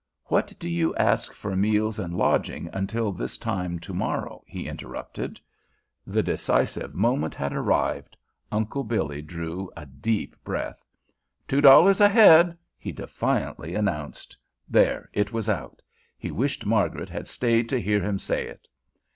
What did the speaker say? "What do you ask for meals and lodging until this time to morrow?" he interrupted. The decisive moment had arrived. Uncle Billy drew a deep breath. "Two dollars a head!" he defiantly announced. There! It was out! He wished Margaret had stayed to hear him say it.